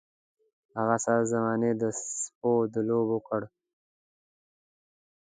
هغه سر زمانې د سپو د لوبو کړ.